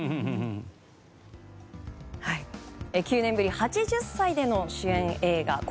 ９年ぶり８０歳での主演映画。